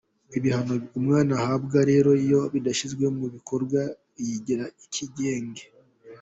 Ibihano umwana ahabwa rero iyo bidashyizwe mu bikorwa umwana yigira ikigenge.